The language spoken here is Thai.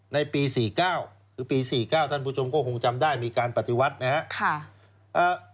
ในปี๔๙คือปี๔๙ท่านผู้ชมก็คงจำได้มีการปฏิวัตินะครับ